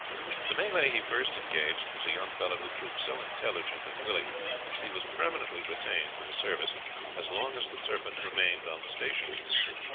The Malay he first engaged was a young fellow who proved so intelligent and willing that he was permanently retained for the service as long as the Serpent remained on the station.